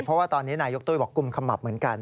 เพราะว่าตอนนี้นายกตุ้ยบอกกุมขมับเหมือนกัน